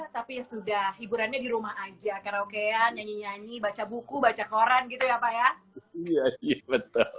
tapi ya sudah hiburannya di rumah aja karaokean nyanyi nyanyi baca buku baca koran gitu ya pak ya